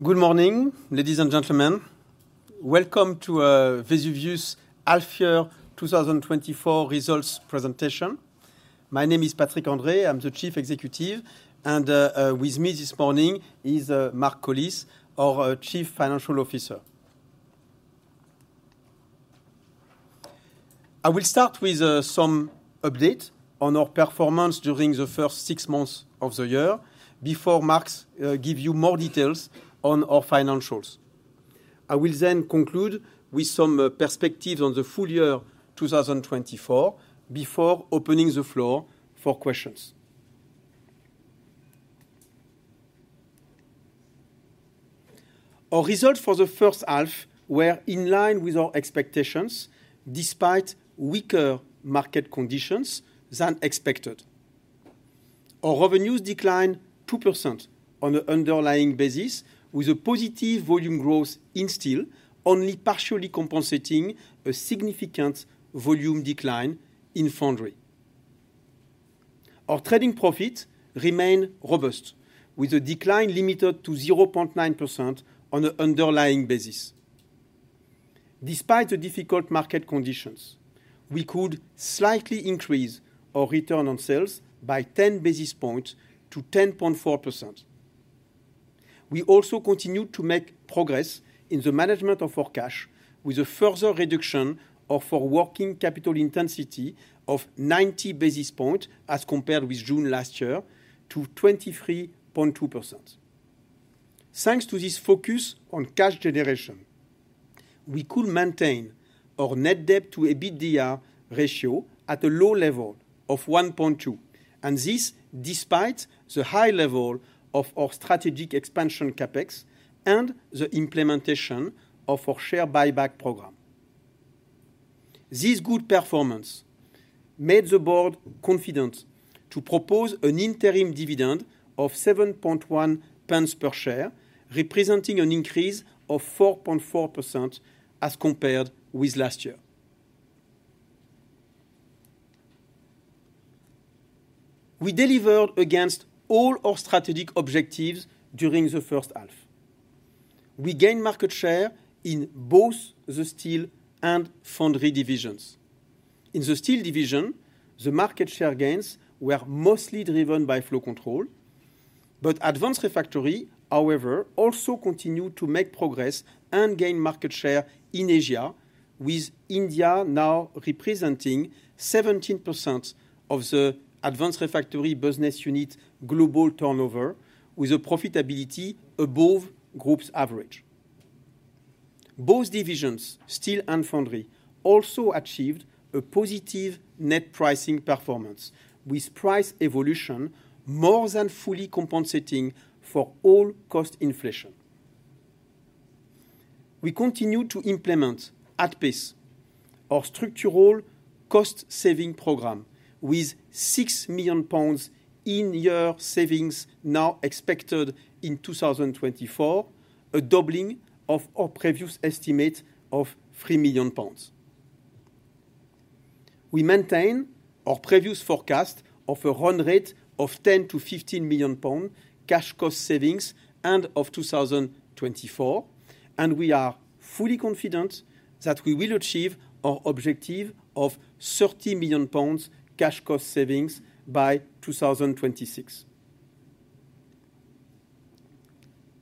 Good morning, ladies and gentlemen. Welcome to Vesuvius Half Year 2024 results presentation. My name is Patrick André, I'm the Chief Executive Officer, and with me this morning is Mark Collis, our Chief Financial Officer. I will start with some update on our performance during the first six months of the year before Mark give you more details on our financials. I will then conclude with some perspectives on the full year 2024, before opening the floor for questions. Our results for the first half were in line with our expectations, despite weaker market conditions than expected. Our revenues declined 2% on an underlying basis, with a positive volume growth in steel only partially compensating a significant volume decline in Foundry. Our trading profit remained robust, with a decline limited to 0.9% on an underlying basis. Despite the difficult market conditions, we could slightly increase our return on sales by 10 basis points to 10.4%. We also continued to make progress in the management of our cash, with a further reduction of our working capital intensity of 90 basis points, as compared with June last year, to 23.2%. Thanks to this focus on cash generation, we could maintain our net debt to EBITDA ratio at a low level of 1.2, and this despite the high level of our strategic expansion CapEx and the implementation of our share buyback program. This good performance made the board confident to propose an interim dividend of 0.071 per share, representing an increase of 4.4% as compared with last year. We delivered against all our strategic objectives during the first half. We gained market share in both the Steel and Foundry Divisions. In the Steel Division, the market share gains were mostly driven by Flow Control, but Advanced Refractories, however, also continued to make progress and gain market share in Asia, with India now representing 17% of the Advanced Refractories business unit global turnover, with a profitability above group's average. Both divisions, Steel and Foundry, also achieved a positive net pricing performance, with price evolution more than fully compensating for all cost inflation. We continue to implement at pace our structural cost saving program, with 6 million pounds in-year savings now expected in 2024, a doubling of our previous estimate of 3 million pounds. We maintain our previous forecast of a run rate of 10 million-15 million pounds cash cost savings end of 2024, and we are fully confident that we will achieve our objective of 30 million pounds cash cost savings by 2026.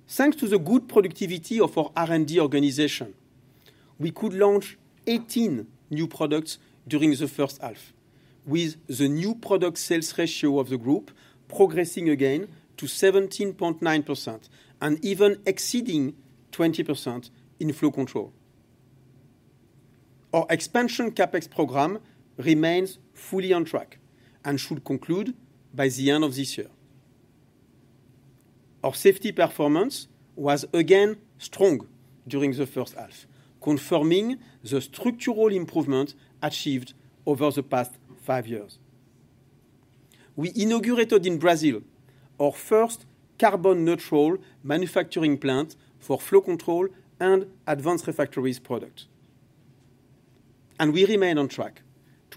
Thanks to the good productivity of our R&D organization, we could launch 18 new products during the first half, with the new product sales ratio of the group progressing again to 17.9% and even exceeding 20% in Flow Control. Our expansion CapEx program remains fully on track and should conclude by the end of this year. Our safety performance was again strong during the first half, confirming the structural improvement achieved over the past five years. We inaugurated in Brazil our first carbon neutral manufacturing plant for Flow Control and Advanced Refractories products, and we remain on track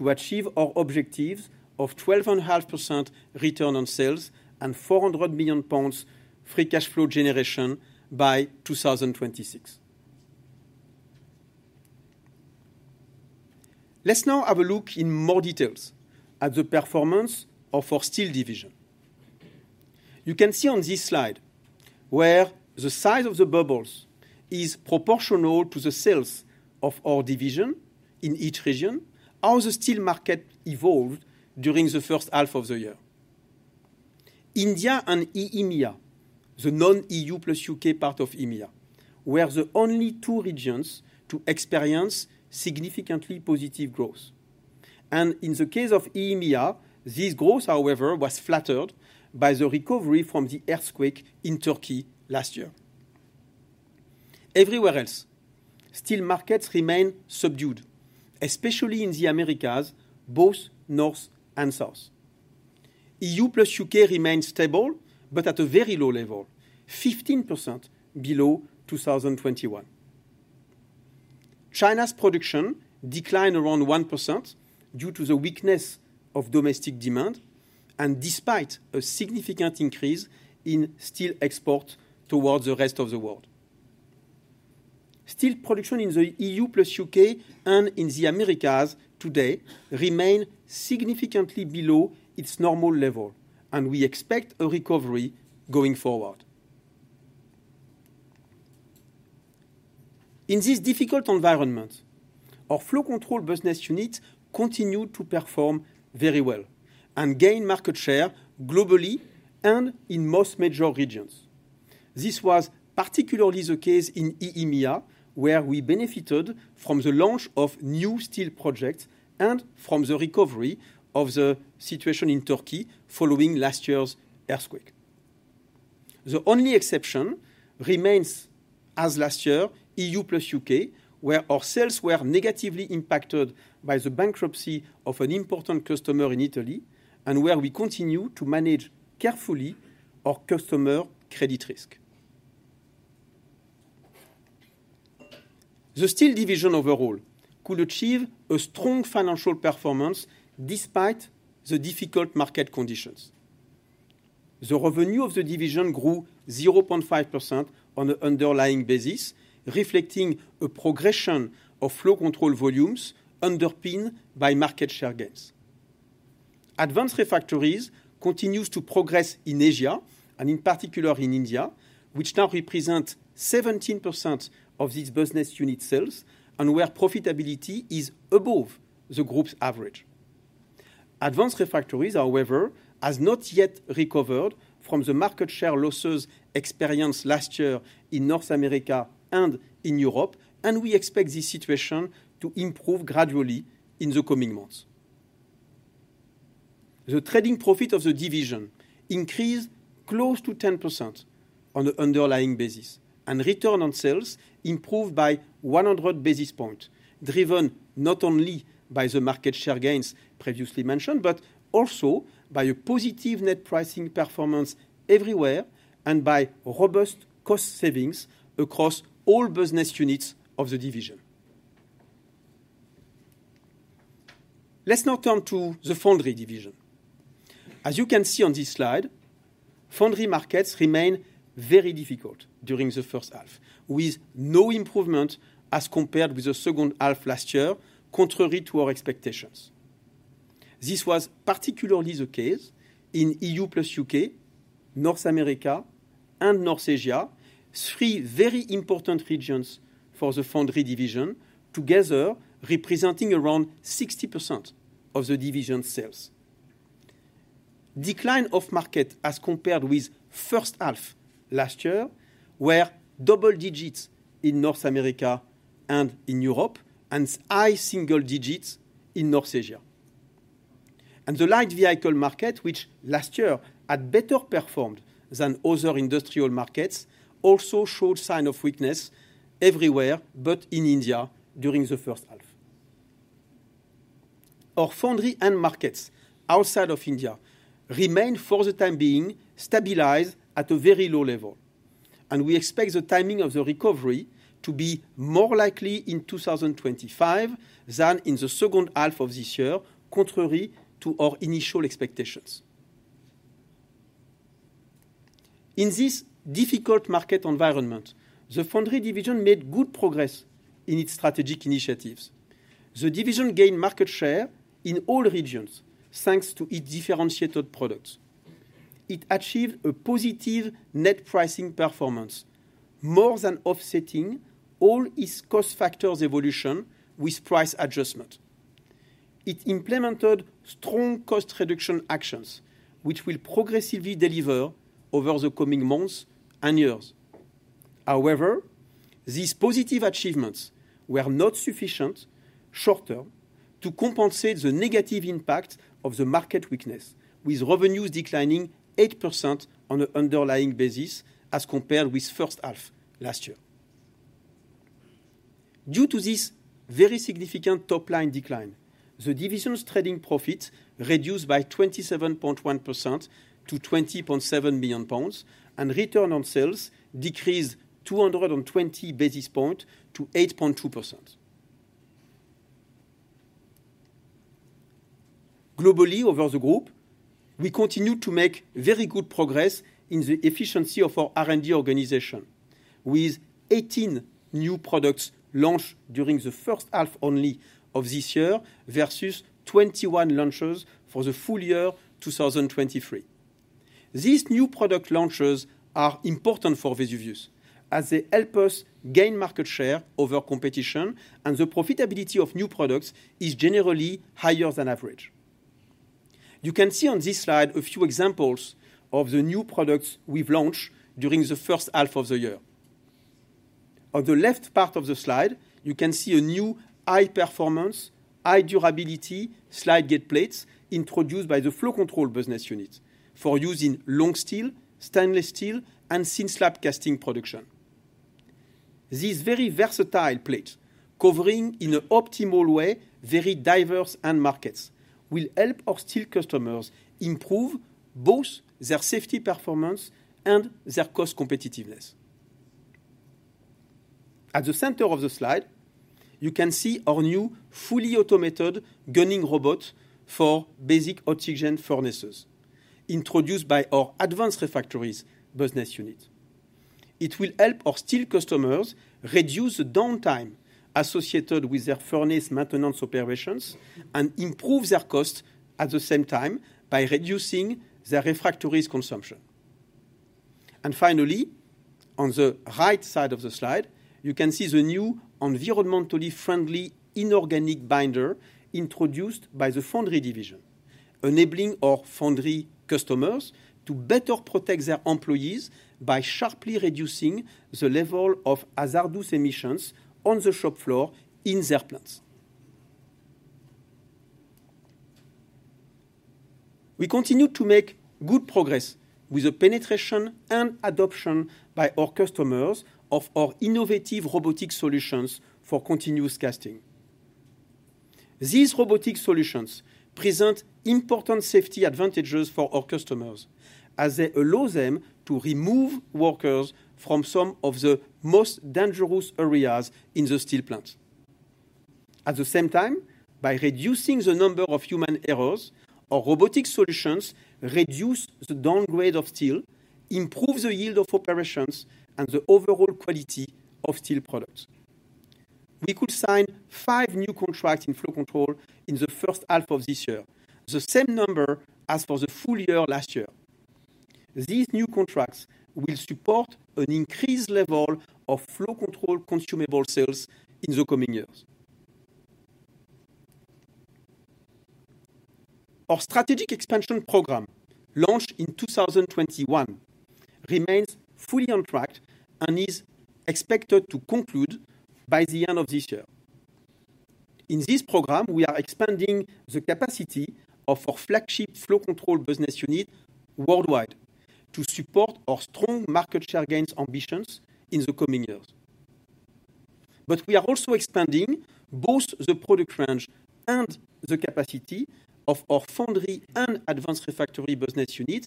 to achieve our objectives of 12.5% return on sales and 400 million pounds free cash flow generation by 2026. Let's now have a look in more details at the performance of our Steel Division. You can see on this slide where the size of the bubbles is proportional to the sales of our division in each region, how the steel market evolved during the first half of the year. India and EMEA, the non-EU plus U.K. part of EMEA, were the only two regions to experience significantly positive growth. In the case of EMEA, this growth, however, was flattered by the recovery from the earthquake in Turkey last year. Everywhere else, steel markets remain subdued, especially in the Americas, both North and South. EU plus U.K. remains stable, but at a very low level, 15% below 2021. China's production declined around 1% due to the weakness of domestic demand, and despite a significant increase in steel export towards the rest of the world. Steel production in the EU plus U.K. and in the Americas today remain significantly below its normal level, and we expect a recovery going forward. In this difficult environment, our Flow Control business unit continued to perform very well and gain market share globally and in most major regions. This was particularly the case in EMEA, where we benefited from the launch of new steel projects and from the recovery of the situation in Turkey following last year's earthquake. The only exception remains, as last year, EU plus U.K., where our sales were negatively impacted by the bankruptcy of an important customer in Italy, and where we continue to manage carefully our customer credit risk. The Steel Division overall could achieve a strong financial performance despite the difficult market conditions. The revenue of the division grew 0.5% on the underlying basis, reflecting a progression of Flow Control volumes underpinned by market share gains. Advanced Refractories continues to progress in Asia and in particular in India, which now represents 17% of this business unit sales and where profitability is above the group's average. Advanced Refractories, however, has not yet recovered from the market share losses experienced last year in North America and in Europe, and we expect this situation to improve gradually in the coming months. The trading profit of the division increased close to 10% on the underlying basis, and return on sales improved by 100 basis points, driven not only by the market share gains previously mentioned, but also by a positive net pricing performance everywhere and by robust cost savings across all business units of the division. Let's now turn to the Foundry Division. As you can see on this slide, Foundry markets remained very difficult during the first half, with no improvement as compared with the second half last year, contrary to our expectations. This was particularly the case in EU plus U.K., North America, and North Asia, three very important regions for the Foundry Division, together representing around 60% of the division's sales. Decline of market as compared with first half last year, were double digits in North America and in Europe, and high single digits in North Asia. The light vehicle market, which last year had better performed than other industrial markets, also showed sign of weakness everywhere, but in India during the first half. Our Foundry end markets outside of India remain, for the time being, stabilized at a very low level, and we expect the timing of the recovery to be more likely in 2025 than in the second half of this year, contrary to our initial expectations. In this difficult market environment, the Foundry Division made good progress in its strategic initiatives. The division gained market share in all regions, thanks to its differentiated products. It achieved a positive net pricing performance, more than offsetting all its cost factors evolution with price adjustment. It implemented strong cost reduction actions, which will progressively deliver over the coming months and years. However, these positive achievements were not sufficient, short term, to compensate the negative impact of the market weakness, with revenues declining 8% on an underlying basis as compared with first half last year. Due to this very significant top-line decline, the division's trading profit reduced by 27.1% to 20.7 million pounds, and return on sales decreased 220 basis points to 8.2%. Globally, over the group, we continued to make very good progress in the efficiency of our R&D organization, with 18 new products launched during the first half only of this year, versus 21 launches for the full year 2023. These new product launches are important for Vesuvius, as they help us gain market share over competition, and the profitability of new products is generally higher than average. You can see on this slide a few examples of the new products we've launched during the first half of the year. On the left part of the slide, you can see a new high-performance, high-durability slide gate plates introduced by the Flow Control business unit for use in long steel, stainless steel, and thin slab casting production. These very versatile plates, covering in an optimal way very diverse end markets, will help our steel customers improve both their safety performance and their cost competitiveness. At the center of the slide, you can see our new fully automated gunning robot for basic oxygen furnaces, introduced by our Advanced Refractories business unit. It will help our steel customers reduce the downtime associated with their furnace maintenance operations and improve their cost at the same time by reducing their refractories consumption. And finally, on the right side of the slide, you can see the new environmentally friendly inorganic binder introduced by the Foundry Division, enabling our Foundry customers to better protect their employees by sharply reducing the level of hazardous emissions on the shop floor in their plants. We continue to make good progress with the penetration and adoption by our customers of our innovative robotic solutions for continuous casting. These robotic solutions present important safety advantages for our customers, as they allow them to remove workers from some of the most dangerous areas in the steel plants. At the same time, by reducing the number of human errors, our robotic solutions reduce the downgrade of steel, improve the yield of operations, and the overall quality of steel products. We could sign 5 new contracts in Flow Control in the first half of this year, the same number as for the full year last year. These new contracts will support an increased level of Flow Control consumable sales in the coming years. Our strategic expansion program, launched in 2021, remains fully on track and is expected to conclude by the end of this year. In this program, we are expanding the capacity of our flagship Flow Control business unit worldwide to support our strong market share gains ambitions in the coming years. But we are also expanding both the product range and the capacity of our Foundry and Advanced Refractories business unit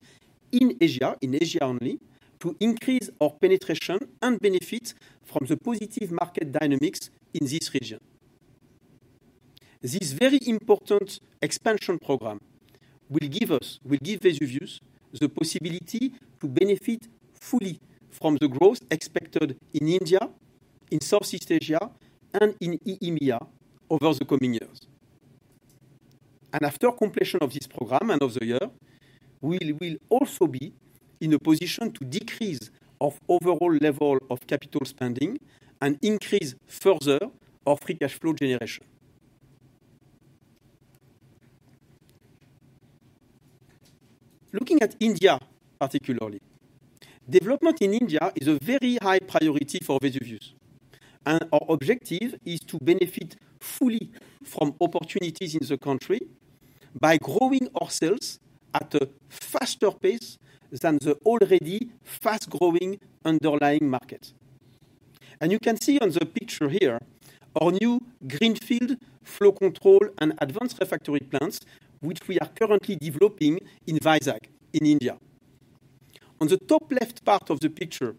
in Asia, in Asia only, to increase our penetration and benefit from the positive market dynamics in this region. This very important expansion program will give us, will give Vesuvius, the possibility to benefit fully from the growth expected in India, in Southeast Asia, and in EMEA over the coming years. After completion of this program and of the year, we will also be in a position to decrease our overall level of capital spending and increase further our free cash flow generation. Looking at India, particularly, development in India is a very high priority for Vesuvius, and our objective is to benefit fully from opportunities in the country by growing our sales at a faster pace than the already fast-growing underlying market. You can see on the picture here, our new greenfield Flow Control and Advanced Refractory plants, which we are currently developing in Vizag, in India. On the top left part of the picture,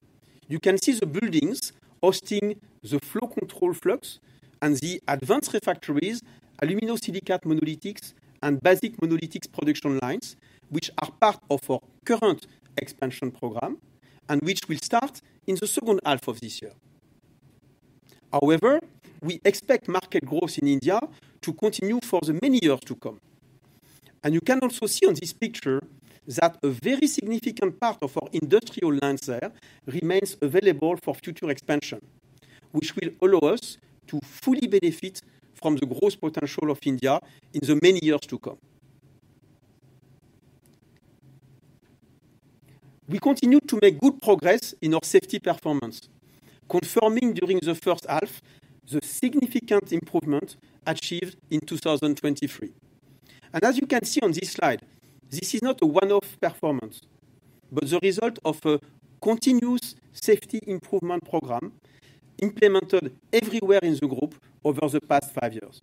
you can see the buildings hosting the Flow Control flux and the Advanced Refractories, aluminosilicate monolithics, and basic monolithic production lines, which are part of our current expansion program and which will start in the second half of this year. However, we expect market growth in India to continue for the many years to come. You can also see on this picture that a very significant part of our industrial land sale remains available for future expansion, which will allow us to fully benefit from the growth potential of India in the many years to come. We continue to make good progress in our safety performance, confirming during the first half the significant improvement achieved in 2023. As you can see on this slide, this is not a one-off performance, but the result of a continuous safety improvement program implemented everywhere in the group over the past five years.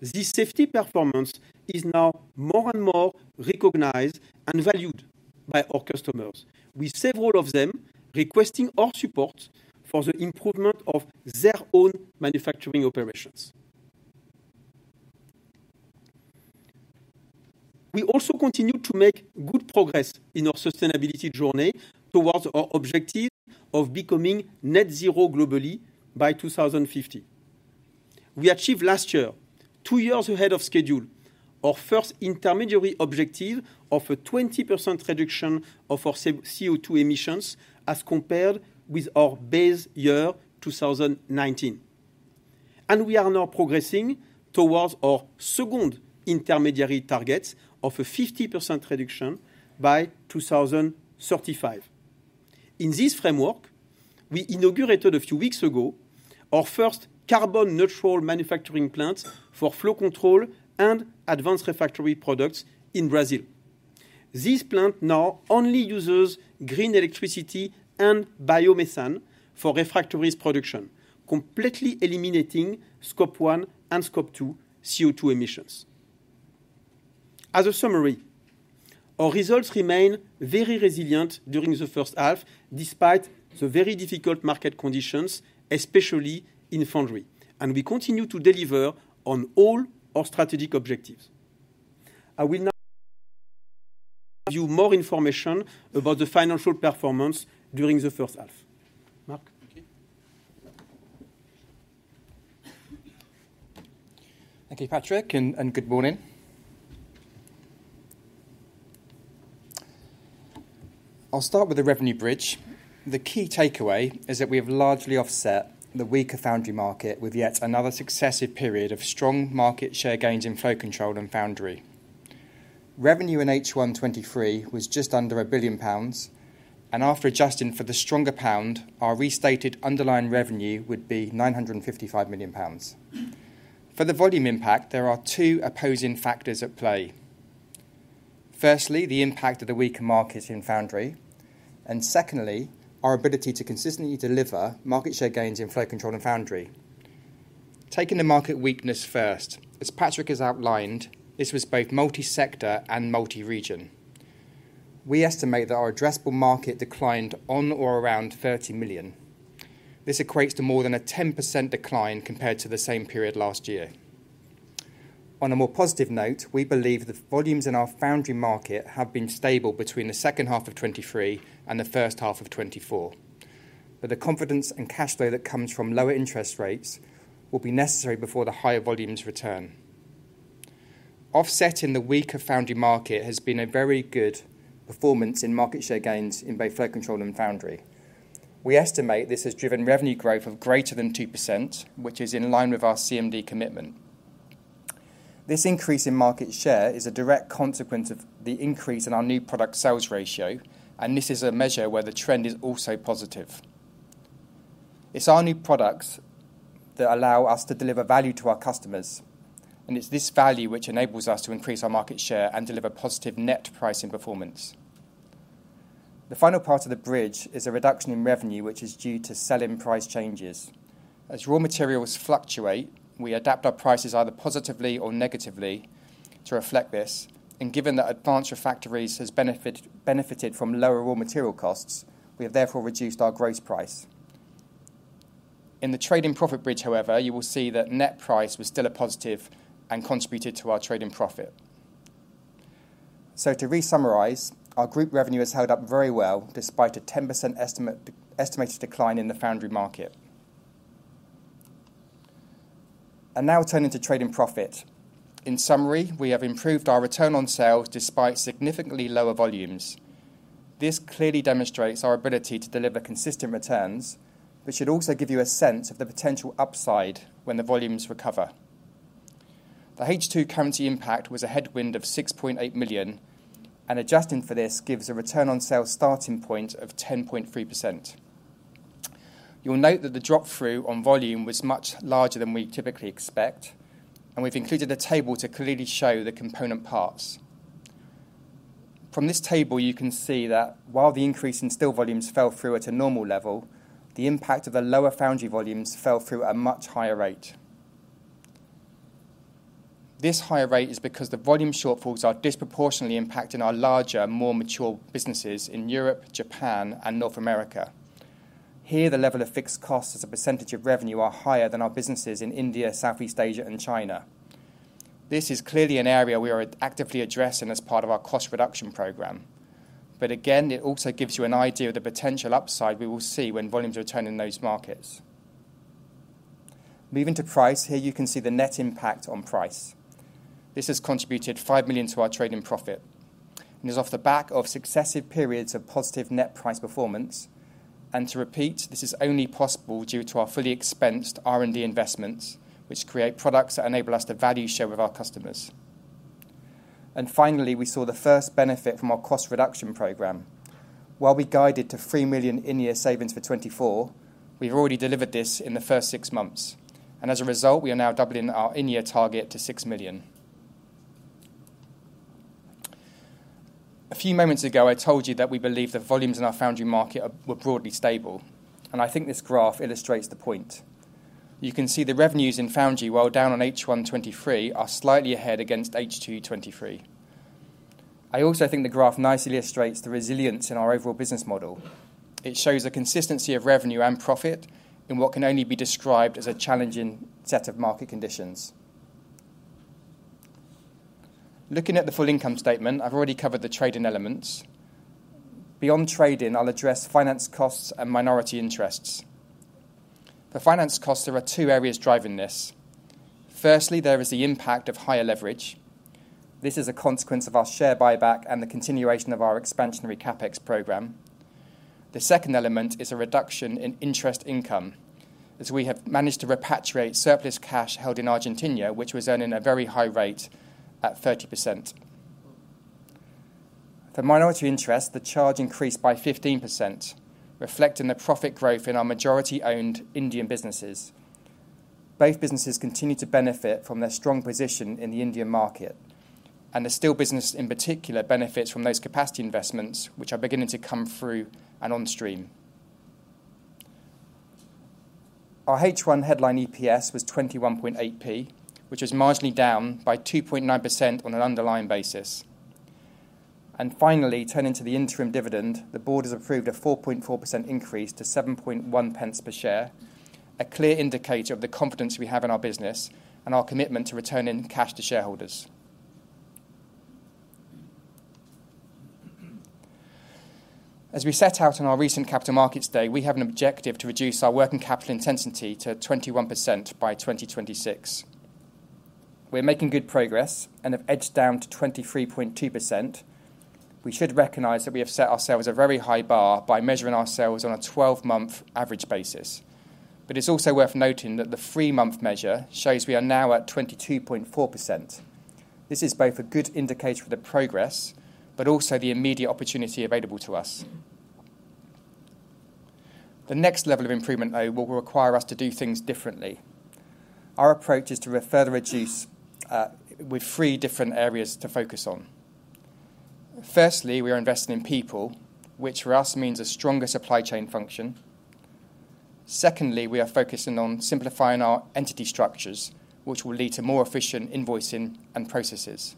This safety performance is now more and more recognized and valued by our customers, with several of them requesting our support for the improvement of their own manufacturing operations. We also continue to make good progress in our sustainability journey towards our objective of becoming net zero globally by 2050. We achieved last year, two years ahead of schedule, our first intermediary objective of a 20% reduction of our Scope 1 and Scope 2 CO2 emissions as compared with our base year 2019. And we are now progressing towards our second intermediary targets of a 50% reduction by 2035. In this framework, we inaugurated a few weeks ago, our first carbon neutral manufacturing plant for Flow Control and Advanced Refractories products in Brazil. This plant now only uses green electricity and biomethane for refractories production, completely eliminating Scope 1 and Scope 2 CO2 emissions.... As a summary, our results remain very resilient during the first half, despite the very difficult market conditions, especially in Foundry, and we continue to deliver on all our strategic objectives. I will now give you more information about the financial performance during the first half. Mark? Thank you. Thank you, Patrick, and good morning. I'll start with the revenue bridge. The key takeaway is that we have largely offset the weaker Foundry market with yet another successive period of strong market share gains in Flow Control and Foundry. Revenue in H1 2023 was just under 1 billion pounds, and after adjusting for the stronger pound, our restated underlying revenue would be 955 million pounds. For the volume impact, there are two opposing factors at play. Firstly, the impact of the weaker market in Foundry, and secondly, our ability to consistently deliver market share gains in Flow Control and Foundry. Taking the market weakness first, as Patrick has outlined, this was both multi-sector and multi-region. We estimate that our addressable market declined on or around 30 million. This equates to more than a 10% decline compared to the same period last year. On a more positive note, we believe the volumes in our Foundry market have been stable between the second half of 2023 and the first half of 2024, but the confidence and cash flow that comes from lower interest rates will be necessary before the higher volumes return. Offsetting the weaker Foundry market has been a very good performance in market share gains in both Flow Control and Foundry. We estimate this has driven revenue growth of greater than 2%, which is in line with our CMD commitment. This increase in market share is a direct consequence of the increase in our new product sales ratio, and this is a measure where the trend is also positive. It's our new products that allow us to deliver value to our customers, and it's this value which enables us to increase our market share and deliver positive net pricing performance. The final part of the bridge is a reduction in revenue, which is due to sell-in price changes. As raw materials fluctuate, we adapt our prices either positively or negatively to reflect this, and given that Advanced Refractories has benefited from lower raw material costs, we have therefore reduced our gross price. In the trading profit bridge, however, you will see that net price was still a positive and contributed to our trading profit. So to resummarize, our group revenue has held up very well, despite a 10% estimated decline in the Foundry market. I'll now turn to trading profit. In summary, we have improved our return on sales despite significantly lower volumes. This clearly demonstrates our ability to deliver consistent returns, which should also give you a sense of the potential upside when the volumes recover. The H2 currency impact was a headwind of 6.8 million, and adjusting for this gives a return on sales starting point of 10.3%. You'll note that the drop-through on volume was much larger than we typically expect, and we've included a table to clearly show the component parts. From this table, you can see that while the increase in steel volumes fell through at a normal level, the impact of the lower Foundry volumes fell through at a much higher rate. This higher rate is because the volume shortfalls are disproportionately impacting our larger, more mature businesses in Europe, Japan, and North America. Here, the level of fixed costs as a percentage of revenue are higher than our businesses in India, Southeast Asia, and China. This is clearly an area we are actively addressing as part of our cost reduction program. But again, it also gives you an idea of the potential upside we will see when volumes return in those markets. Moving to price, here you can see the net impact on price. This has contributed 5 million to our trading profit and is off the back of successive periods of positive net price performance. And to repeat, this is only possible due to our fully expensed R&D investments, which create products that enable us to value share with our customers. And finally, we saw the first benefit from our cost reduction program. While we guided to 3 million in-year savings for 2024, we've already delivered this in the first six months, and as a result, we are now doubling our in-year target to 6 million. A few moments ago, I told you that we believe the volumes in our Foundry market were broadly stable, and I think this graph illustrates the point. You can see the revenues in Foundry, while down on H1 2023, are slightly ahead against H2 2023. I also think the graph nicely illustrates the resilience in our overall business model. It shows a consistency of revenue and profit in what can only be described as a challenging set of market conditions. Looking at the full income statement, I've already covered the trading elements. Beyond trading, I'll address finance costs and minority interests. For finance costs, there are two areas driving this. Firstly, there is the impact of higher leverage. This is a consequence of our share buyback and the continuation of our expansionary CapEx program. The second element is a reduction in interest income, as we have managed to repatriate surplus cash held in Argentina, which was earning a very high rate at 30%. For minority interest, the charge increased by 15%, reflecting the profit growth in our majority-owned Indian businesses. Both businesses continue to benefit from their strong position in the Indian market, and the steel business, in particular, benefits from those capacity investments, which are beginning to come through and on stream.... Our H1 headline EPS was 21.8p, which is marginally down by 2.9% on an underlying basis. And finally, turning to the interim dividend, the board has approved a 4.4% increase to 7.1 pence per share, a clear indicator of the confidence we have in our business and our commitment to returning cash to shareholders. As we set out in our recent Capital Markets Day, we have an objective to reduce our working capital intensity to 21% by 2026. We're making good progress and have edged down to 23.2%. We should recognize that we have set ourselves a very high bar by measuring ourselves on a twelve-month average basis. But it's also worth noting that the three-month measure shows we are now at 22.4%. This is both a good indicator for the progress, but also the immediate opportunity available to us. The next level of improvement, though, will require us to do things differently. Our approach is to further reduce with three different areas to focus on. Firstly, we are investing in people, which for us means a stronger supply chain function. Secondly, we are focusing on simplifying our entity structures, which will lead to more efficient invoicing and processes.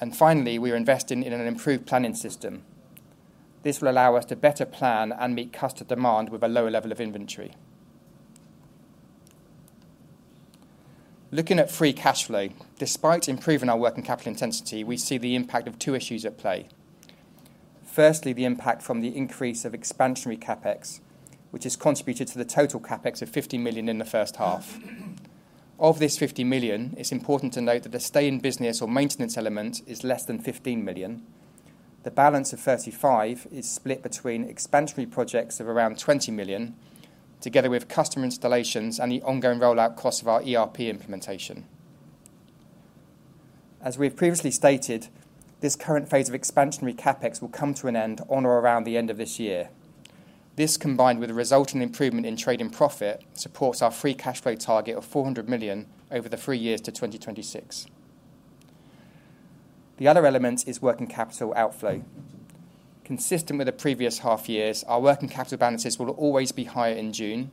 And finally, we are investing in an improved planning system. This will allow us to better plan and meet customer demand with a lower level of inventory. Looking at free cash flow, despite improving our working capital intensity, we see the impact of two issues at play. Firstly, the impact from the increase of expansionary CapEx, which has contributed to the total CapEx of 50 million in the first half. Of this 50 million, it's important to note that the stay in business or maintenance element is less than 15 million. The balance of 35 million is split between expansionary projects of around 20 million, together with customer installations and the ongoing rollout costs of our ERP implementation. As we have previously stated, this current phase of expansionary CapEx will come to an end on or around the end of this year. This, combined with a resulting improvement in trading profit, supports our free cash flow target of 400 million over the three years to 2026. The other element is working capital outflow. Consistent with the previous half years, our working capital balances will always be higher in June,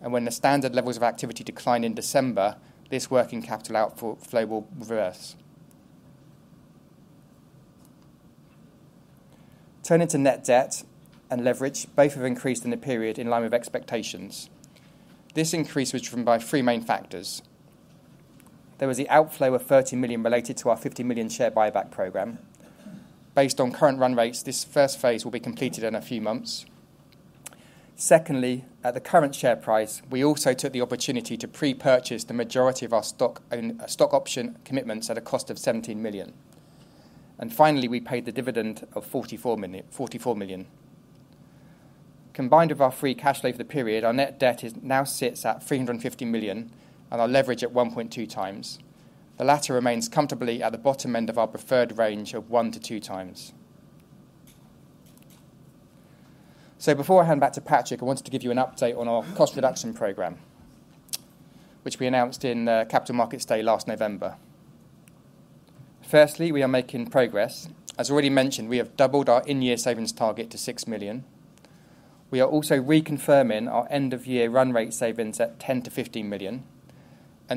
and when the standard levels of activity decline in December, this working capital outflow will reverse. Turning to net debt and leverage, both have increased in the period in line with expectations. This increase was driven by three main factors. There was the outflow of 30 million related to our 50 million share buyback program. Based on current run rates, this first phase will be completed in a few months. Secondly, at the current share price, we also took the opportunity to pre-purchase the majority of our stock option commitments at a cost of 17 million. And finally, we paid the dividend of 44 million, 44 million. Combined with our free cash flow for the period, our net debt now sits at 350 million, and our leverage at 1.2 times. The latter remains comfortably at the bottom end of our preferred range of 1-2 times. So before I hand back to Patrick, I wanted to give you an update on our cost reduction program, which we announced in Capital Markets Day last November. Firstly, we are making progress. As already mentioned, we have doubled our in-year savings target to 6 million. We are also reconfirming our end-of-year run rate savings at 10-15 million.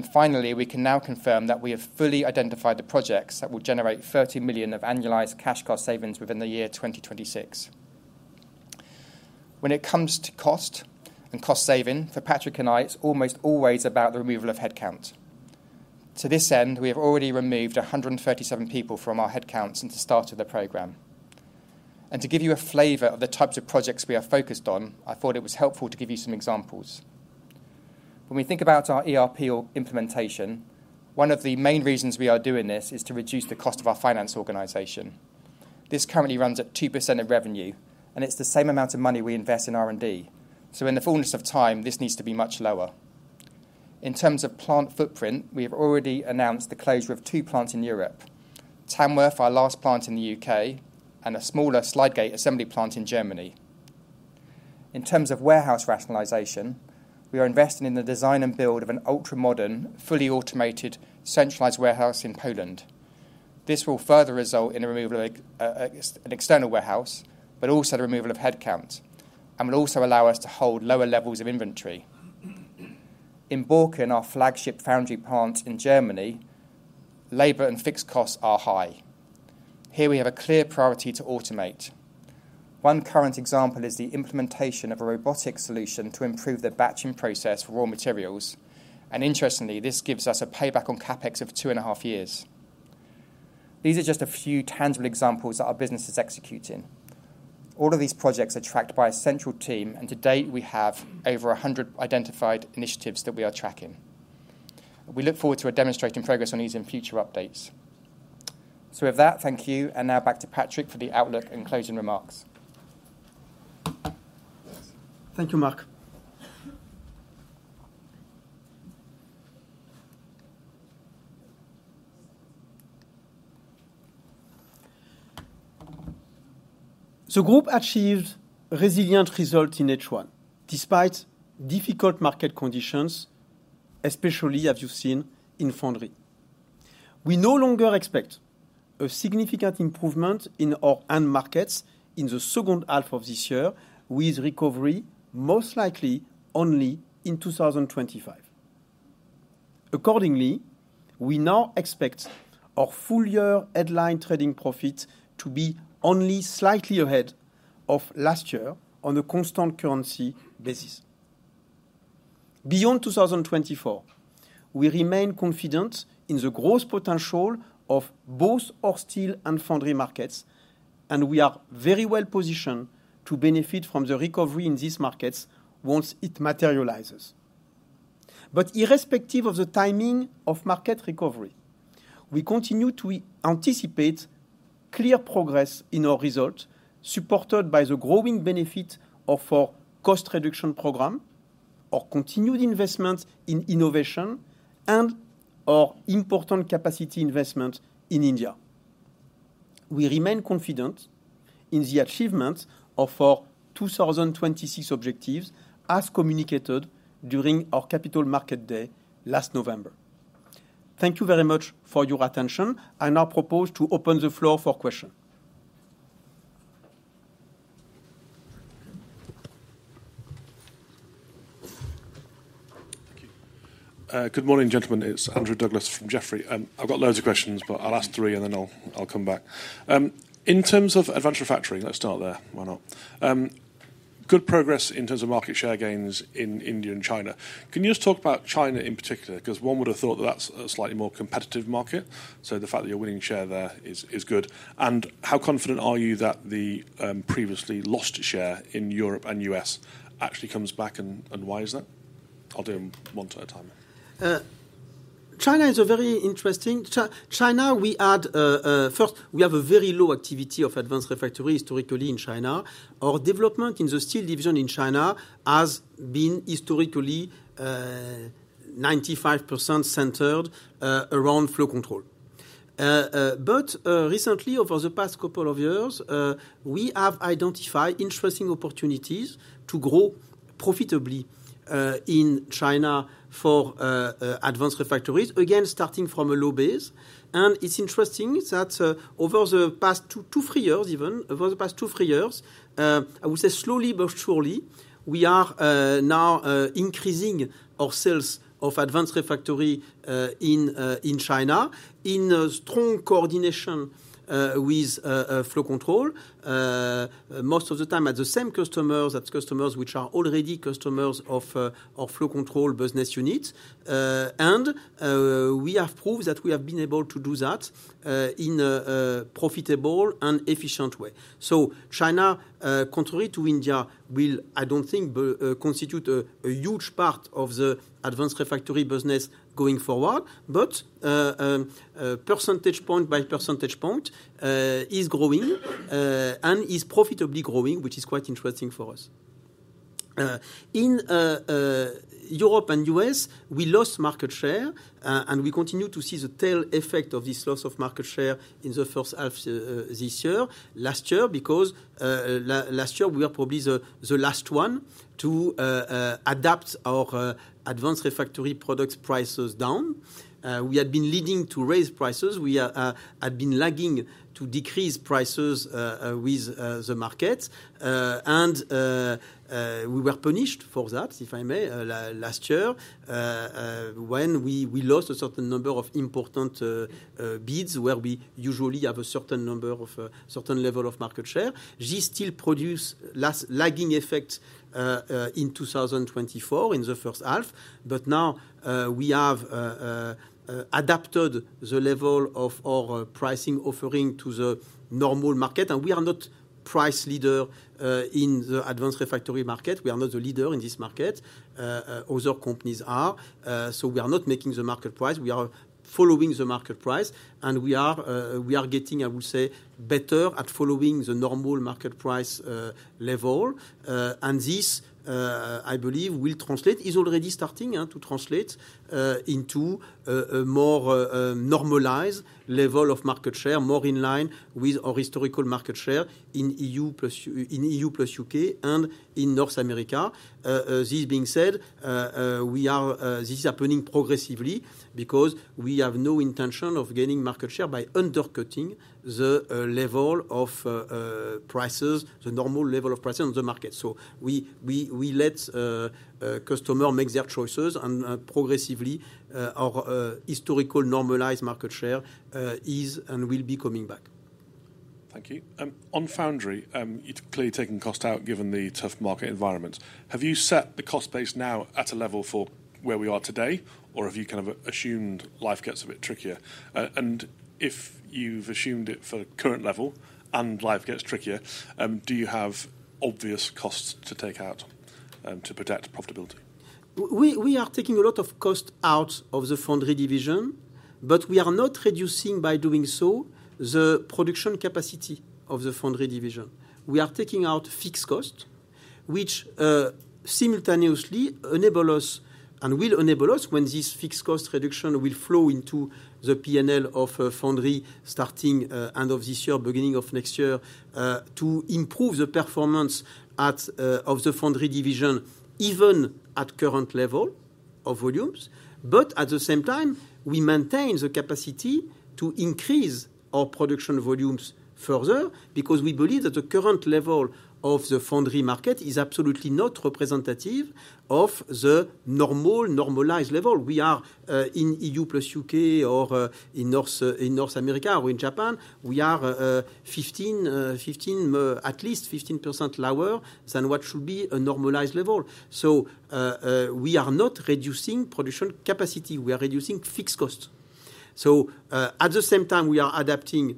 Finally, we can now confirm that we have fully identified the projects that will generate 30 million of annualized cash cost savings within the year 2026. When it comes to cost and cost saving, for Patrick and I, it's almost always about the removal of headcount. To this end, we have already removed 137 people from our headcounts since the start of the program. To give you a flavor of the types of projects we are focused on, I thought it was helpful to give you some examples. When we think about our ERP or implementation, one of the main reasons we are doing this is to reduce the cost of our finance organization. This currently runs at 2% of revenue, and it's the same amount of money we invest in R&D. So in the fullness of time, this needs to be much lower. In terms of plant footprint, we have already announced the closure of two plants in Europe: Tamworth, our last plant in the U.K., and a smaller slide gate assembly plant in Germany. In terms of warehouse rationalization, we are investing in the design and build of an ultra-modern, fully automated, centralized warehouse in Poland. This will further result in the removal of an external warehouse, but also the removal of headcount, and will also allow us to hold lower levels of inventory. In Borken, our flagship Foundry plant in Germany, labor and fixed costs are high. Here we have a clear priority to automate. One current example is the implementation of a robotic solution to improve the batching process for raw materials, and interestingly, this gives us a payback on CapEx of 2.5 years. These are just a few tangible examples that our business is executing. All of these projects are tracked by a central team, and to date, we have over 100 identified initiatives that we are tracking. We look forward to demonstrating progress on these in future updates. So with that, thank you, and now back to Patrick for the outlook and closing remarks. Thank you, Mark. The group achieved resilient results in H1, despite difficult market conditions, especially as you've seen in Foundry... We no longer expect a significant improvement in our end markets in the second half of this year, with recovery most likely only in 2025. Accordingly, we now expect our full year headline trading profit to be only slightly ahead of last year on a constant currency basis. Beyond 2024, we remain confident in the growth potential of both our Steel and Foundry markets, and we are very well positioned to benefit from the recovery in these markets once it materializes. But irrespective of the timing of market recovery, we continue to anticipate clear progress in our results, supported by the growing benefit of our cost reduction program, our continued investment in innovation, and our important capacity investment in India. We remain confident in the achievement of our 2026 objectives, as communicated during our Capital Markets Day last November. Thank you very much for your attention. I now propose to open the floor for questions. Thank you. Good morning, gentlemen. It's Andrew Douglas from Jefferies, and I've got loads of questions, but I'll ask three, and then I'll, I'll come back. In terms of Advanced Refractories, let's start there. Why not? Good progress in terms of market share gains in India and China. Can you just talk about China in particular? Because one would have thought that that's a slightly more competitive market, so the fact that you're winning share there is, is good. And how confident are you that the previously lost share in Europe and U.S. actually comes back, and, and why is that? I'll do them one at a time. China is a very interesting. China, we have a very low activity of Advanced Refractories historically in China. Our development in the Steel Division in China has been historically 95% centered around Flow Control. But recently, over the past couple of years, we have identified interesting opportunities to grow profitably in China for Advanced Refractories. Again, starting from a low base, and it's interesting that over the past two to three years, over the past two, three years, I would say slowly but surely, we are now increasing our sales of Advanced Refractories in China, in a strong coordination with Flow Control. Most of the time at the same customers, that's customers which are already customers of Flow Control business units. We have proved that we have been able to do that in a profitable and efficient way. So China, contrary to India, will, I don't think, constitute a huge part of the Advanced Refractories business going forward, but percentage point by percentage point is growing and is profitably growing, which is quite interesting for us. In Europe and U.S., we lost market share and we continue to see the tail effect of this loss of market share in the first half this year. Last year, because last year, we were probably the last one to adapt our Advanced Refractories products prices down. We had been leading to raise prices. We have been lagging to decrease prices with the market. And we were punished for that, if I may, last year, when we lost a certain number of important bids where we usually have a certain number of certain level of market share. Still producing a lagging effect in 2024, in the first half. But now we have adapted the level of our pricing offering to the normal market, and we are not price leader in the Advanced Refractory market. We are not the leader in this market. Other companies are. So we are not making the market price, we are following the market price, and we are getting, I would say, better at following the normal market price level. And this, I believe, will translate, is already starting to translate into a more normalized level of market share, more in line with our historical market share in EU plus U.K. and in North America. This being said, we are... This is happening progressively because we have no intention of gaining market share by undercutting the level of prices, the normal level of price on the market. So we let customer make their choices and progressively our historical normalized market share is and will be coming back. Thank you. On Foundry, you're clearly taking cost out given the tough market environment. Have you set the cost base now at a level for where we are today, or have you kind of assumed life gets a bit trickier? And if you've assumed it for current level and life gets trickier, do you have obvious costs to take out, to protect profitability? We are taking a lot of cost out of the Foundry Division, but we are not reducing, by doing so, the production capacity of the Foundry Division. We are taking out fixed cost, which simultaneously enable us and will enable us, when this fixed cost reduction will flow into the P&L of Foundry, starting end of this year, beginning of next year, to improve the performance at of the Foundry Division, even at current level of volumes, but at the same time, we maintain the capacity to increase our production volumes further, because we believe that the current level of the Foundry market is absolutely not representative of the normal, normalized level. We are in EU plus U.K. or in North America or in Japan, we are 15, at least 15% lower than what should be a normalized level. So, we are not reducing production capacity, we are reducing fixed costs. So, at the same time, we are adapting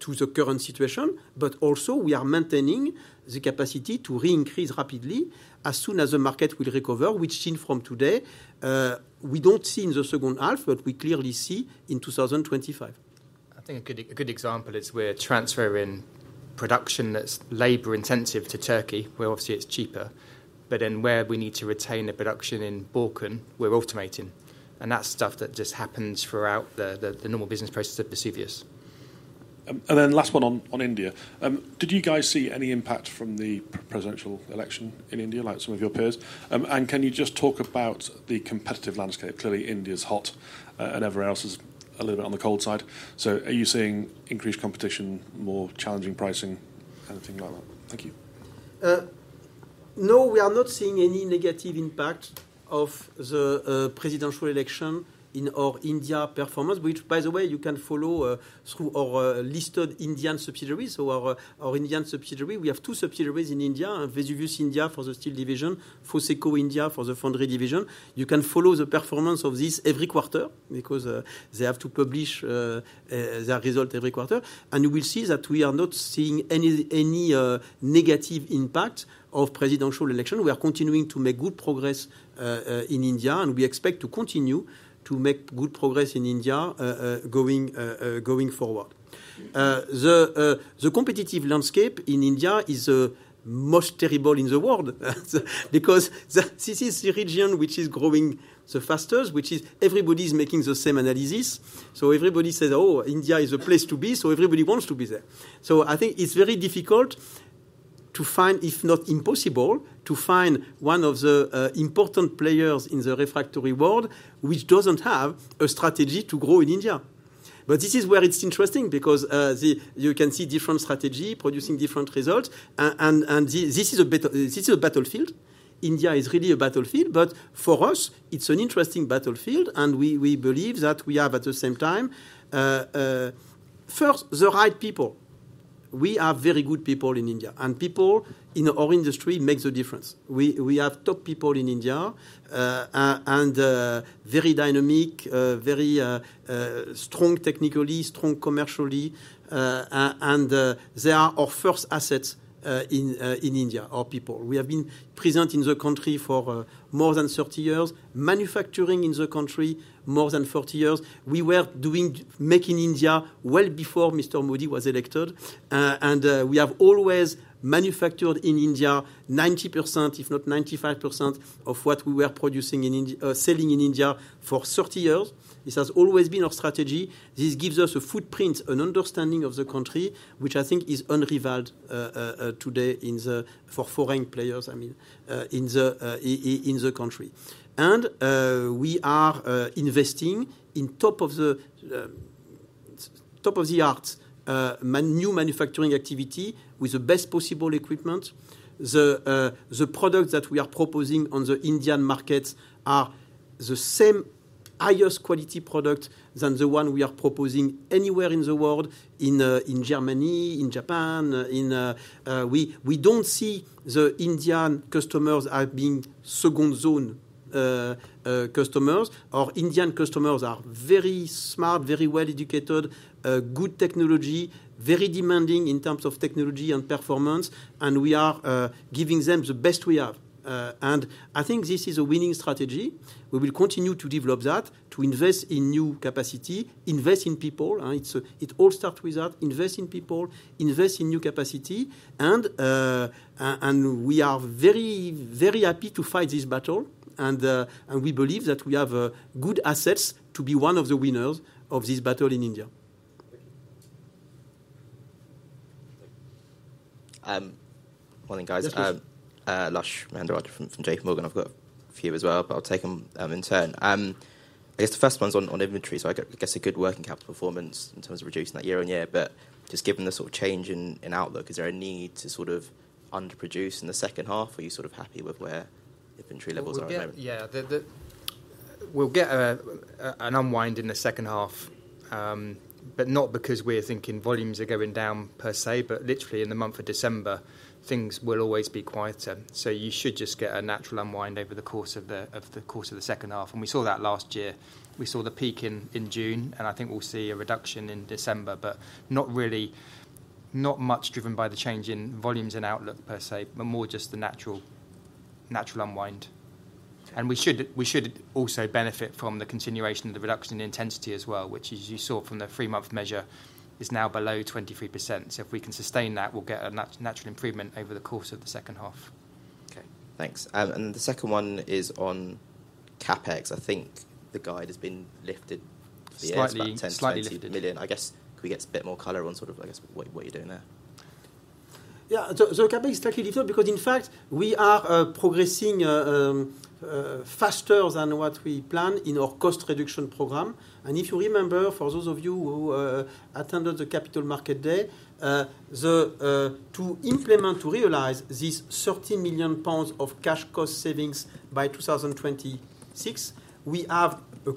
to the current situation, but also we are maintaining the capacity to re-increase rapidly as soon as the market will recover, which seen from today, we don't see in the second half, but we clearly see in 2025. I think a good example is we're transferring production that's labor-intensive to Turkey, where obviously it's cheaper. But then where we need to retain a production in Borken, we're automating, and that's stuff that just happens throughout the normal business process of Vesuvius. And then last one on India. Did you guys see any impact from the presidential election in India, like some of your peers? And can you just talk about the competitive landscape? Clearly, India's hot, and everywhere else is a little bit on the cold side. So are you seeing increased competition, more challenging pricing, anything like that? Thank you. No, we are not seeing any negative impact of the presidential election in our India performance, which, by the way, you can follow through our listed Indian subsidiaries. So our Indian subsidiary... We have two subsidiaries in India, Vesuvius India for the Steel Division, Foseco India for the Foundry Division. You can follow the performance of this every quarter because they have to publish their result every quarter. And you will see that we are not seeing any negative impact of presidential election. We are continuing to make good progress in India, and we expect to continue to make good progress in India going forward. The competitive landscape in India is the most terrible in the world, because this is the region which is growing the fastest, which is everybody's making the same analysis. So everybody says, "Oh, India is the place to be," so everybody wants to be there. So I think it's very difficult to find, if not impossible, to find one of the important players in the refractory world, which doesn't have a strategy to grow in India. But this is where it's interesting because you can see different strategy producing different results. And this, this is a bit, this is a battlefield. India is really a battlefield, but for us, it's an interesting battlefield, and we believe that we are, at the same time, first, the right people. We have very good people in India, and people in our industry make the difference. We have top people in India, and very dynamic, very strong technically, strong commercially. And they are our first assets in India, our people. We have been present in the country for more than 30 years, manufacturing in the country more than 40 years. We were doing Make in India well before Mr. Modi was elected. And we have always manufactured in India 90%, if not 95%, of what we were producing, selling in India for 30 years. This has always been our strategy. This gives us a footprint, an understanding of the country, which I think is unrivaled today, in the... For foreign players, I mean, in the country. We are investing in top-of-the-art brand-new manufacturing activity with the best possible equipment. The products that we are proposing on the Indian markets are the same highest quality product than the one we are proposing anywhere in the world, in Germany, in Japan. We don't see the Indian customers as being second zone customers. Our Indian customers are very smart, very well-educated, good technology, very demanding in terms of technology and performance, and we are giving them the best we have. And I think this is a winning strategy. We will continue to develop that, to invest in new capacity, invest in people. It all starts with that, invest in people, invest in new capacity, and we are very, very happy to fight this battle, and we believe that we have good assets to be one of the winners of this battle in India. Thank you. Morning, guys. Yes, please. Lushanthan Mahendrarajah from J.P. Morgan. I've got a few as well, but I'll take them in turn. I guess the first one's on inventory, so I guess a good working capital performance in terms of reducing that year-on-year, but just given the sort of change in outlook, is there a need to sort of underproduce in the second half, or are you sort of happy with where inventory levels are at the moment? Yeah, we'll get an unwind in the second half, but not because we're thinking volumes are going down per se, but literally in the month of December, things will always be quieter. So you should just get a natural unwind over the course of the second half, and we saw that last year. We saw the peak in June, and I think we'll see a reduction in December, but not really, not much driven by the change in volumes and outlook per se, but more just the natural unwind. And we should also benefit from the continuation of the reduction in intensity as well, which, as you saw from the three-month measure, is now below 23%. So if we can sustain that, we'll get a natural improvement over the course of the second half. Okay, thanks. The second one is on CapEx. I think the guide has been lifted- Slightly... slightly about 10 million-20 million. Slightly lifted. I guess, can we get a bit more color on sort of, I guess, what, what you're doing there?... Yeah, the CapEx is slightly different because, in fact, we are progressing faster than what we planned in our cost reduction program. And if you remember, for those of you who attended the Capital Markets Day, to implement, to realize this 30 million pounds of cash cost savings by 2026, we have a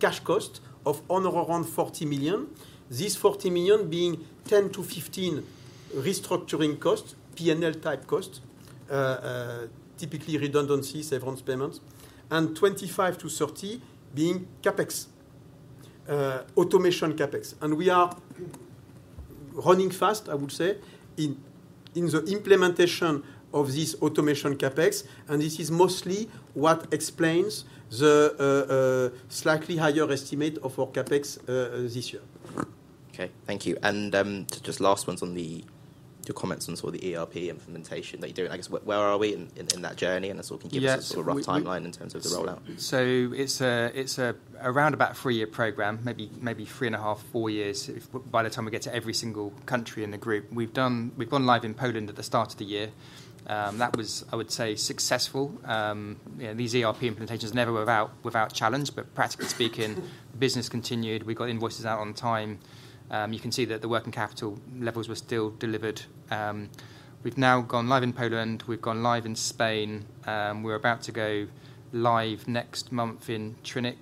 cash cost of only around 40 million. This 40 million being 10-15 restructuring costs, P&L-type costs, typically redundancies, severance payments, and 25-30 being CapEx, automation CapEx. And we are running fast, I would say, in the implementation of this automation CapEx, and this is mostly what explains the slightly higher estimate of our CapEx this year. Okay, thank you. And, just last ones on the, your comments on sort of the ERP implementation that you're doing. I guess, where are we in that journey? And that sort of can give us a sort of rough timeline in terms of the rollout. So it's a around about three-year program, maybe 3.5, four years if by the time we get to every single country in the group. We've gone live in Poland at the start of the year. That was, I would say, successful. You know, these ERP implementations never without challenge, but practically speaking, business continued. We got invoices out on time. You can see that the working capital levels were still delivered. We've now gone live in Poland, we've gone live in Spain, we're about to go live next month in Třinec,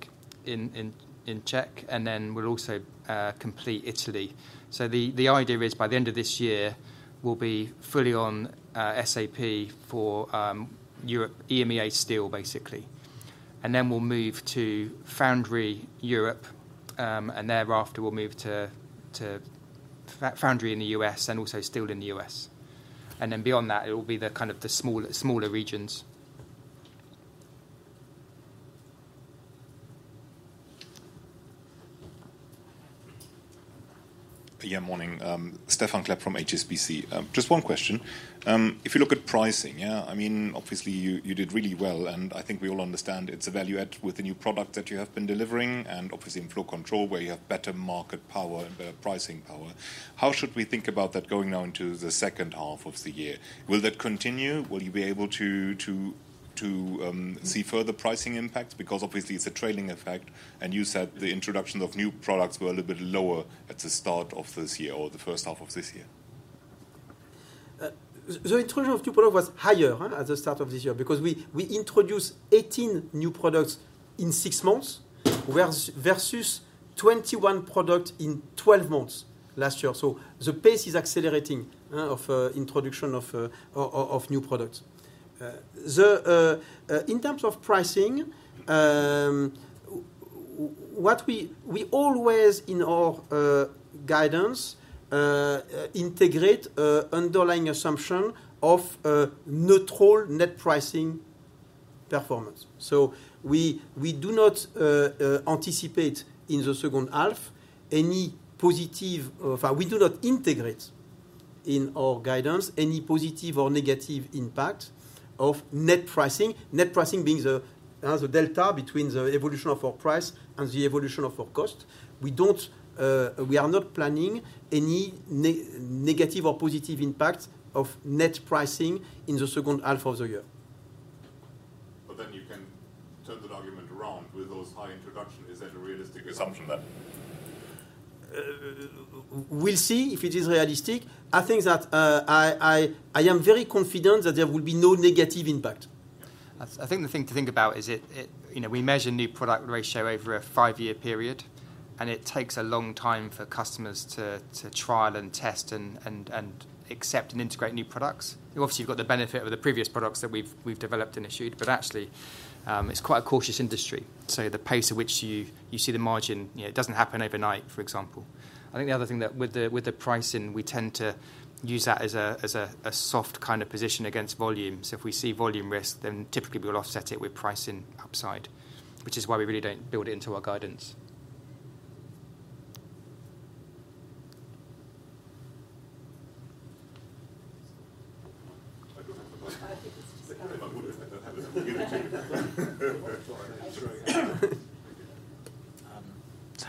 in Czech, and then we'll also complete Italy. So the idea is by the end of this year, we'll be fully on SAP for Europe, EMEA Steel, basically. And then we'll move to Foundry Europe, and thereafter, we'll move to Foundry in the U.S. and also Steel in the U.S. And then beyond that, it will be the kind of the smaller, smaller regions. Yeah, morning. Stephan Klepp from HSBC. Just one question. If you look at pricing, yeah, I mean, obviously, you did really well, and I think we all understand it's a value add with the new product that you have been delivering, and obviously in Flow Control, where you have better market power and better pricing power. How should we think about that going now into the second half of the year? Will that continue? Will you be able to see further pricing impacts? Because obviously it's a trailing effect, and you said the introduction of new products were a little bit lower at the start of this year or the first half of this year. The introduction of new products was higher at the start of this year because we introduced 18 new products in six months versus 21 products in 12 months last year. So the pace is accelerating of introduction of new products. In terms of pricing, what we always integrate in our guidance underlying assumption of a neutral net pricing performance. So we do not anticipate in the second half any positive... We do not integrate in our guidance any positive or negative impact of net pricing. Net pricing being the delta between the evolution of our price and the evolution of our cost. We are not planning any negative or positive impact of net pricing in the second half of the year. But then you can turn that argument around with those high introduction? Is that a realistic assumption, then? We'll see if it is realistic. I think that, I am very confident that there will be no negative impact. I think the thing to think about is it—you know, we measure new product ratio over a five-year period, and it takes a long time for customers to trial and test and accept and integrate new products. Obviously, you've got the benefit of the previous products that we've developed and issued, but actually, it's quite a cautious industry. So the pace at which you see the margin, you know, it doesn't happen overnight, for example. I think the other thing that with the pricing, we tend to use that as a soft kind of position against volume. So if we see volume risk, then typically we will offset it with pricing upside, which is why we really don't build it into our guidance.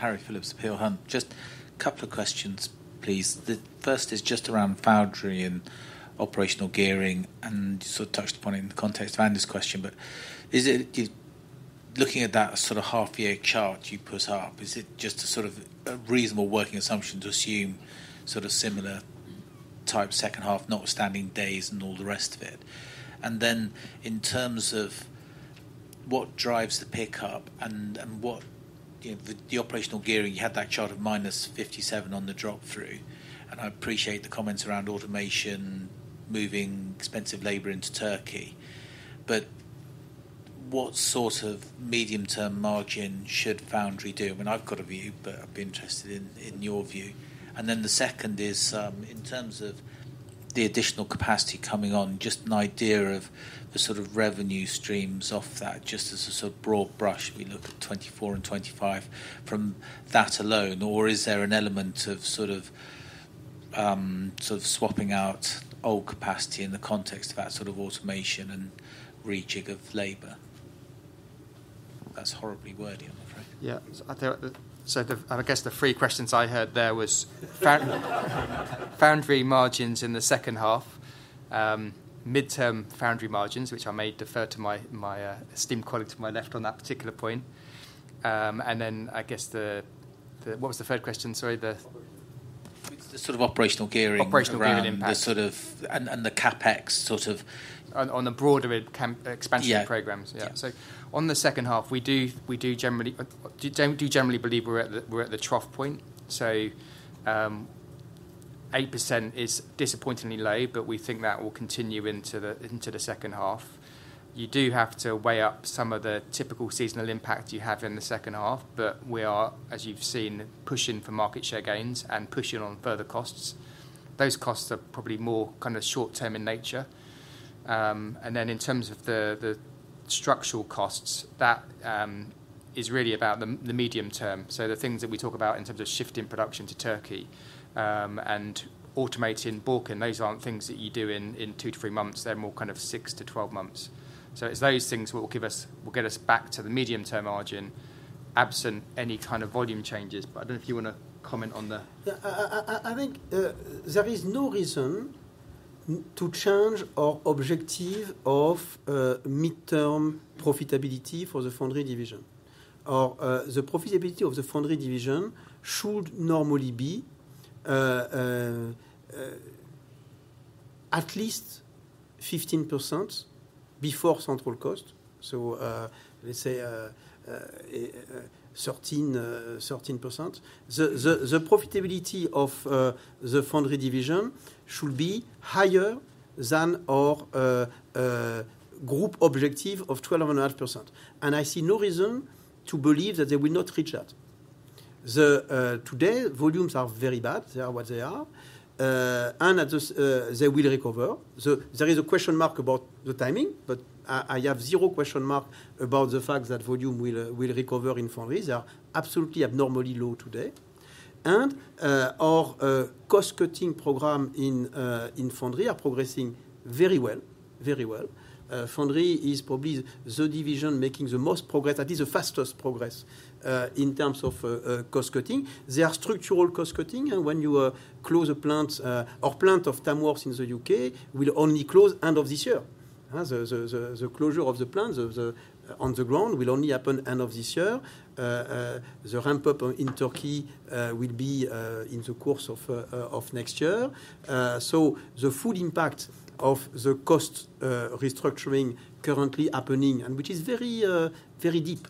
I don't have a question. If I would, I don't have it to give it to you. Harry Phillips, Peel Hunt. Just a couple of questions, please. The first is just around Foundry and operational gearing, and you sort of touched upon it in the context of Andy's question. But is it, looking at that sort of half year chart you put up, is it just a sort of a reasonable working assumption to assume sort of similar type second half, notwithstanding days and all the rest of it? And then in terms of what drives the pickup and what, you know, the operational gearing, you had that chart of minus 57 on the drop-through. And I appreciate the comments around automation, moving expensive labor into Turkey, but what sort of medium-term margin should Foundry do? I mean, I've got a view, but I'd be interested in your view. And then the second is, in terms of the additional capacity coming on, just an idea of the sort of revenue streams off that, just as a sort of broad brush, we look at 2024 and 2025 from that alone, or is there an element of sort of, sort of swapping out old capacity in the context of that sort of automation and rejig of labor? That's horribly wordy, I'm afraid. Yeah, so the three questions I heard there was Foundry margins in the second half, midterm Foundry margins, which I may defer to my esteemed colleague to my left on that particular point. And then I guess the... What was the third question? Sorry, the- It's the sort of operational gearing- operational gearing impact around the sort of, and the CapEx sort of On the broader CapEx expansion programs. Yeah. Yeah. So on the second half, we do generally believe we're at the trough point. So, 8% is disappointingly low, but we think that will continue into the second half. You do have to weigh up some of the typical seasonal impact you have in the second half, but we are, as you've seen, pushing for market share gains and pushing on further costs. Those costs are probably more kind of short-term in nature. And then in terms of the structural costs, that is really about the medium term. So the things that we talk about in terms of shifting production to Turkey and automating Borken, those aren't things that you do in 2-3 months. They're more kind of 6-12 months. So it's those things what will give us--will get us back to the medium-term margin, absent any kind of volume changes. But I don't know if you want to comment on the- Yeah, I think there is no reason to change our objective of midterm profitability for the Foundry Division. Or, the profitability of the Foundry Division should normally be at least 15% before central cost, so let's say 13%. The profitability of the Foundry Division should be higher than our group objective of 12.5%, and I see no reason to believe that they will not reach that. Today, volumes are very bad. They are what they are. And at this, they will recover. So there is a question mark about the timing, but I have zero question mark about the fact that volume will recover in Foundry. They are absolutely abnormally low today. Our cost-cutting program in Foundry is progressing very well, very well. Foundry is probably the division making the most progress, that is the fastest progress, in terms of cost cutting. They are structural cost cutting, and when you close a plant, our plant of Tamworth in the U.K. will only close end of this year. The closure of the plant on the ground will only happen end of this year. The ramp-up in Turkey will be in the course of next year. So the full impact of the cost restructuring currently happening, and which is very deep,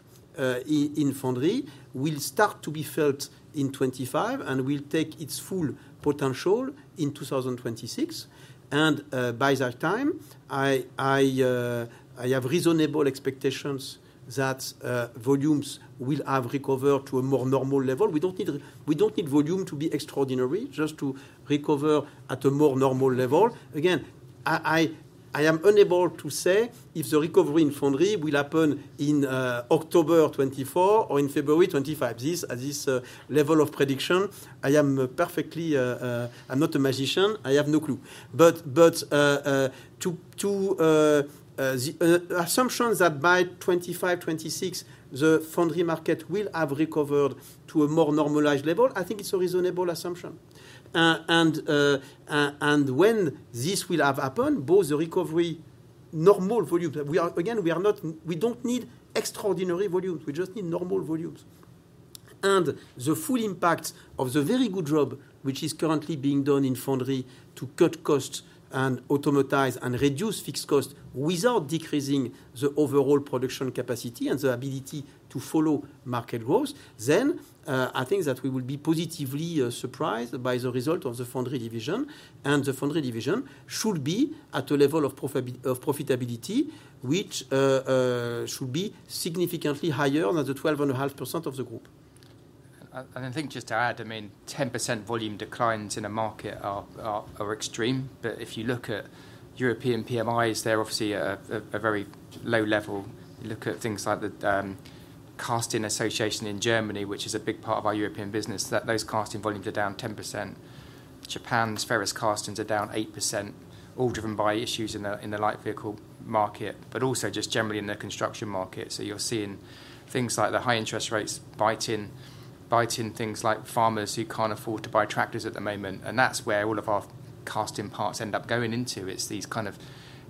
in Foundry, will start to be felt in 2025 and will take its full potential in 2026. By that time, I have reasonable expectations that volumes will have recovered to a more normal level. We don't need volume to be extraordinary, just to recover at a more normal level. Again, I am unable to say if the recovery in Foundry will happen in October 2024 or in February 2025. At this level of prediction, I am perfectly. I'm not a magician. I have no clue. But to the assumption that by 2025, 2026, the Foundry market will have recovered to a more normalized level, I think it's a reasonable assumption. And when this will have happened, both the recovery normal volume, we are, again, we are not, we don't need extraordinary volume. We just need normal volumes. And the full impact of the very good job, which is currently being done in Foundry to cut costs and automatize and reduce fixed costs without decreasing the overall production capacity and the ability to follow market growth, then, I think that we will be positively surprised by the result of the Foundry Division, and the Foundry Division should be at a level of profitability, which, should be significantly higher than the 12.5% of the group. And I think just to add, I mean, 10% volume declines in a market are extreme. But if you look at European PMIs, they're obviously at a very low level. You look at things like the Casting Association in Germany, which is a big part of our European business, that those casting volumes are down 10%. Japan's ferrous castings are down 8%, all driven by issues in the light vehicle market, but also just generally in the construction market. So you're seeing things like the high interest rates biting things like farmers who can't afford to buy tractors at the moment, and that's where all of our casting parts end up going into. It's these kind of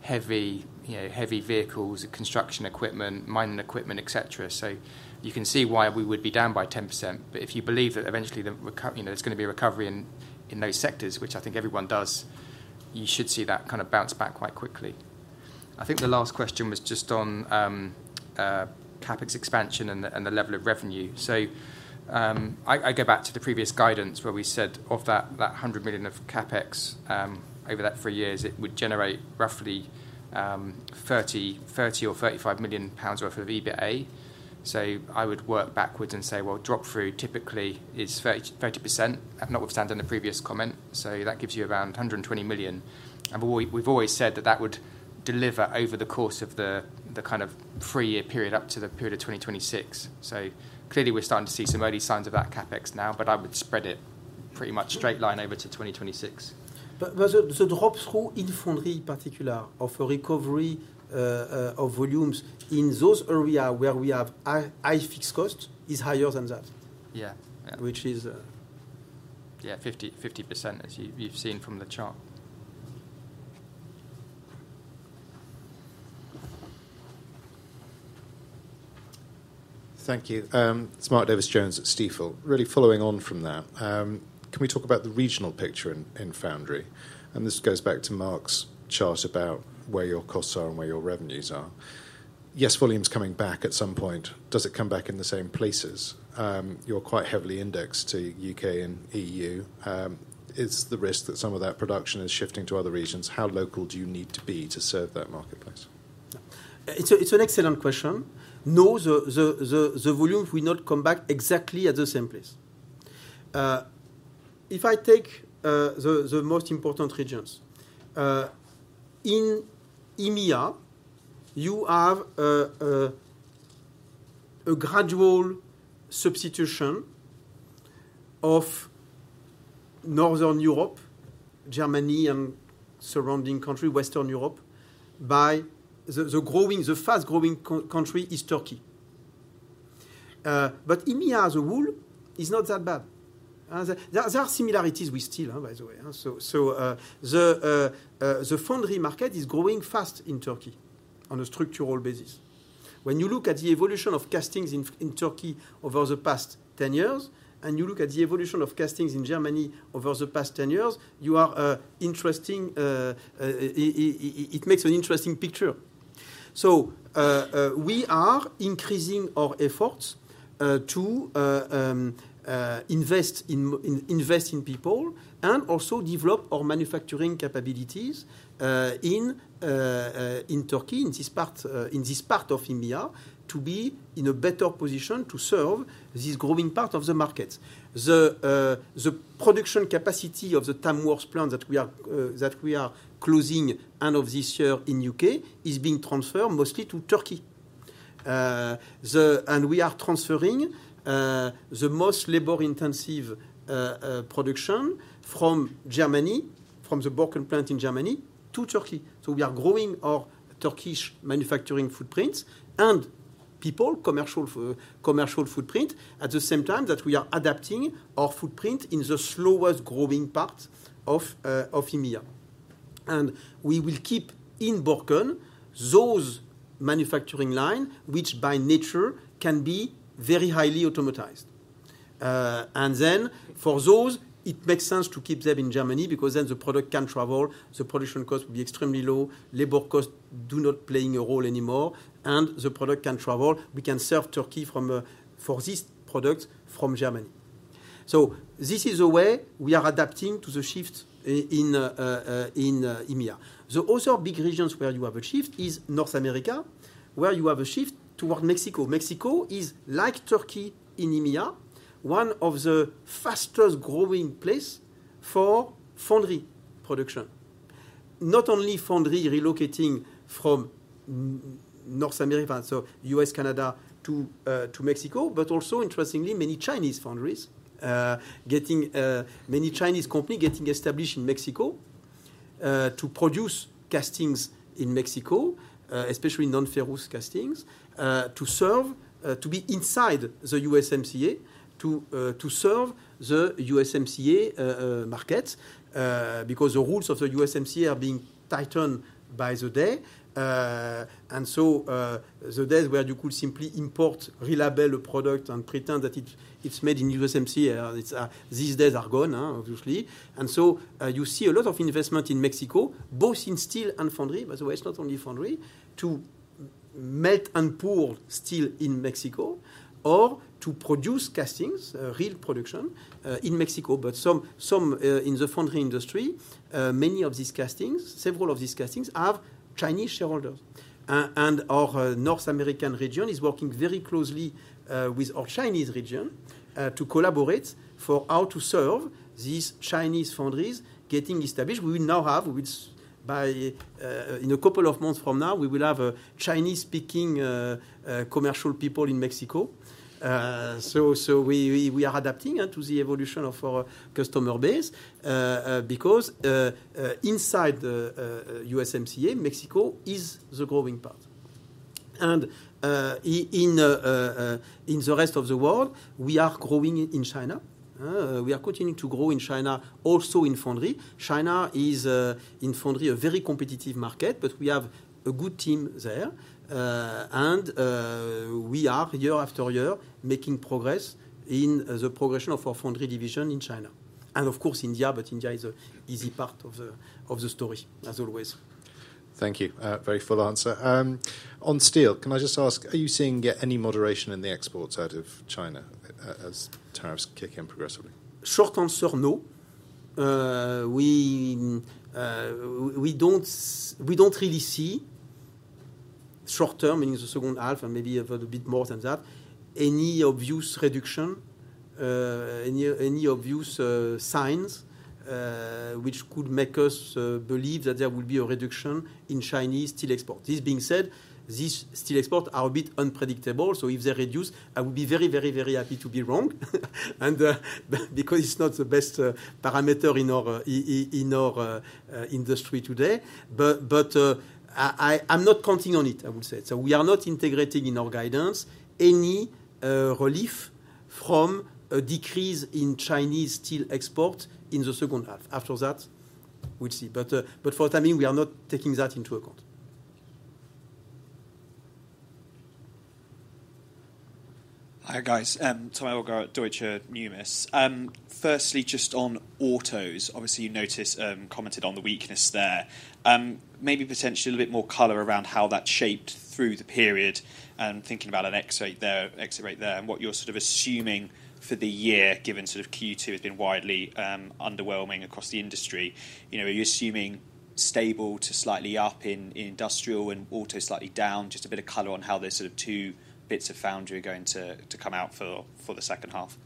heavy, you know, heavy vehicles, construction equipment, mining equipment, et cetera. So you can see why we would be down by 10%, but if you believe that eventually, the recovery—you know, there's going to be a recovery in, in those sectors, which I think everyone does, you should see that kind of bounce back quite quickly. I think the last question was just on, CapEx expansion and the, and the level of revenue. So, I go back to the previous guidance, where we said of that, that 100 million of CapEx, over that three years, it would generate roughly, 30, 30 or 35 million pounds worth of EBITDA. So I would work backwards and say, well, drop through typically is 30%, notwithstanding the previous comment, so that gives you around 120 million. We've always said that would deliver over the course of the kind of three-year period up to the period of 2026. So clearly, we're starting to see some early signs of that CapEx now, but I would spread it pretty much straight line over to 2026. But the drop-through in Foundry, in particular, of a recovery of volumes in those areas where we have high fixed costs is higher than that? Yeah. Yeah. Which is, Yeah, 50-50%, as you've seen from the chart. Thank you. It's Mark Davies Jones at Stifel. Really following on from that, can we talk about the regional picture in Foundry? And this goes back to Mark's chart about where your costs are and where your revenues are. Yes, volume's coming back at some point, does it come back in the same places? You're quite heavily indexed to U.K. and EU. Is the risk that some of that production is shifting to other regions? How local do you need to be to serve that marketplace? It's an excellent question. No, the volume will not come back exactly at the same place. If I take the most important regions in EMEA, you have a gradual substitution of Northern Europe, Germany and surrounding country, Western Europe, by the fast-growing country, Turkey. But EMEA as a whole is not that bad. There are similarities with steel, by the way, so the Foundry market is growing fast in Turkey on a structural basis. When you look at the evolution of castings in Turkey over the past 10 years, and you look at the evolution of castings in Germany over the past 10 years, it makes an interesting picture. So, we are increasing our efforts to invest in people and also develop our manufacturing capabilities in Turkey, in this part of EMEA, to be in a better position to serve this growing part of the market. The production capacity of the Tamworth plant that we are closing end of this year in U.K. is being transferred mostly to Turkey. And we are transferring the most labor-intensive production from Germany, from the Borken plant in Germany to Turkey. So we are growing our Turkish manufacturing footprint and people, commercial footprint, at the same time that we are adapting our footprint in the slowest growing part of EMEA. And we will keep in Borken those manufacturing line, which by nature can be very highly automatized. And then for those, it makes sense to keep them in Germany because then the product can travel, the production cost will be extremely low, labor costs do not playing a role anymore, and the product can travel. We can serve Turkey from for this product from Germany. So this is the way we are adapting to the shift in EMEA. The other big regions where you have a shift is North America, where you have a shift toward Mexico. Mexico is like Turkey in EMEA, one of the fastest growing place for Foundry production. Not only Foundry relocating from North America, so U.S., Canada, to Mexico, but also, interestingly, many Chinese foundries getting, many Chinese company getting established in Mexico to produce castings in Mexico, especially non-ferrous castings to serve to be inside the USMCA to to serve the USMCA market. Because the rules of the USMCA are being tightened by the day, and so the days where you could simply import, relabel a product, and pretend that it, it's made in USMCA, it's these days are gone, obviously. And so, you see a lot of investment in Mexico, both in Steel and Foundry. By the way, it's not only Foundry, to melt and pour steel in Mexico or to produce castings, real production in Mexico. But some in the Foundry industry, many of these castings, several of these castings, have Chinese shareholders. And our North American region is working very closely with our Chinese region to collaborate for how to serve these Chinese foundries getting established. We will now have, which by in a couple of months from now, we will have a Chinese-speaking commercial people in Mexico. So, so we, we are adapting to the evolution of our customer base because inside the USMCA, Mexico is the growing part. And in the rest of the world, we are growing in China. We are continuing to grow in China, also in Foundry. China is in Foundry, a very competitive market, but we have a good team there. We are year after year making progress in the progression of our Foundry Division in China. Of course, India, but India is a easy part of the story, as always. Thank you. Very full answer. On steel, can I just ask, are you seeing any moderation in the exports out of China as tariffs kick in progressively? Short answer, no. We don't really see short term, meaning the second half and maybe a little bit more than that, any obvious reduction, any obvious signs which could make us believe that there will be a reduction in Chinese steel export. This being said, these steel export are a bit unpredictable, so if they reduce, I will be very, very, very happy to be wrong. Because it's not the best parameter in our industry today. I'm not counting on it, I would say. We are not integrating in our guidance any relief from a decrease in Chinese steel export in the second half. After that, we'll see. For the time being, we are not taking that into account. Hi, guys. Tom Elgar, Deutsche Numis. Firstly, just on autos. Obviously, you noticed, commented on the weakness there. Maybe potentially a little bit more color around how that shaped through the period, and thinking about an exit there, exit rate there, and what you're sort of assuming for the year, given sort of Q2 has been widely, underwhelming across the industry. You know, are you assuming stable to slightly up in industrial and auto slightly down? Just a bit of color on how those sort of two bits of Foundry are going to come out for the second half.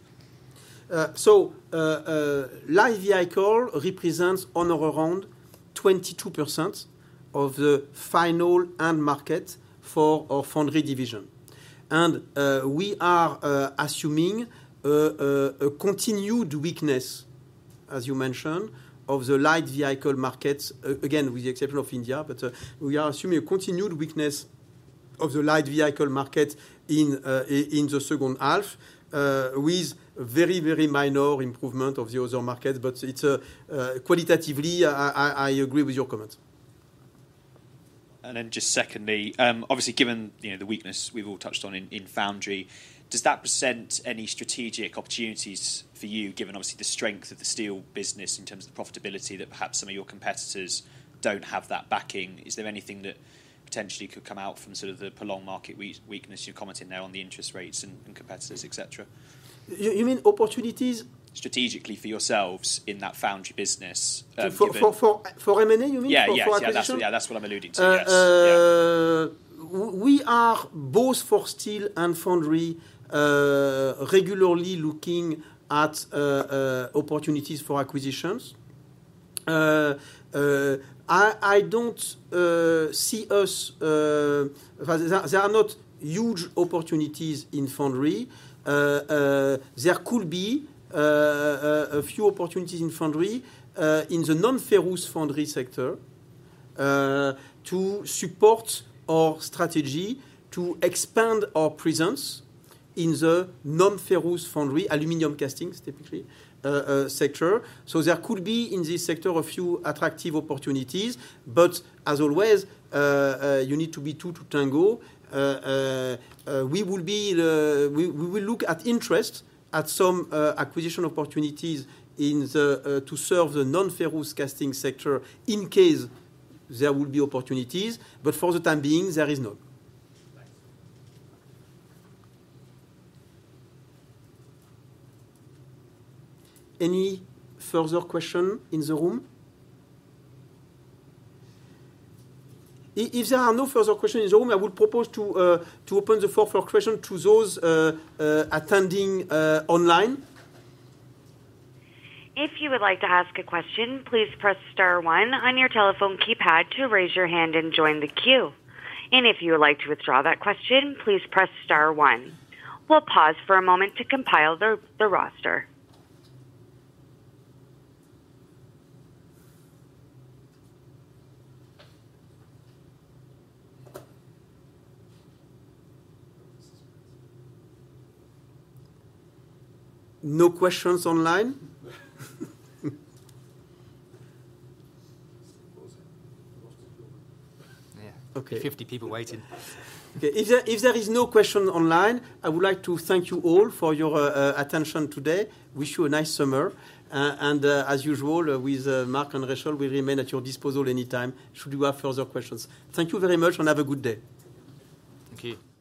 So, light vehicle represents on or around 22% of the final end market for our Foundry Division. We are assuming a continued weakness, as you mentioned, of the light vehicle markets, again, with the exception of India. We are assuming a continued weakness of the light vehicle market in the second half, with very, very minor improvement of the other market. It's qualitatively, I agree with your comment. And then just secondly, obviously, given, you know, the weakness we've all touched on in Foundry, does that present any strategic opportunities for you, given obviously the strength of the steel business in terms of the profitability, that perhaps some of your competitors don't have that backing? Is there anything that potentially could come out from sort of the prolonged market weakness you commented on, the interest rates and competitors, et cetera? You, you mean opportunities? Strategically for yourselves in that Foundry business, given- For M&A, you mean? Yeah, yeah. For acquisition? Yeah, that's what I'm alluding to. Yes. Yeah. We are both for Steel and Foundry, regularly looking at opportunities for acquisitions. I don't see us... There are not huge opportunities in Foundry. There could be a few opportunities in Foundry, in the non-ferrous Foundry sector, to support our strategy to expand our presence in the non-ferrous Foundry, aluminum casting, specifically, sector. So there could be, in this sector, a few attractive opportunities, but as always, you need to be two to tango. We will look at interest at some acquisition opportunities in the, to serve the non-ferrous casting sector in case there will be opportunities, but for the time being, there is none. Thanks. Any further question in the room? If there are no further questions in the room, I would propose to to open the floor for question to those attending online. If you would like to ask a question, please press star one on your telephone keypad to raise your hand and join the queue. And if you would like to withdraw that question, please press star one. We'll pause for a moment to compile the roster. No questions online? Yeah. Okay. 50 people waiting. Okay. If there is no question online, I would like to thank you all for your attention today. Wish you a nice summer, and as usual, with Mark and Rachel, we remain at your disposal anytime should you have further questions. Thank you very much, and have a good day. Thank you.